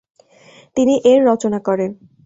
তিনি এর রচনা করেন।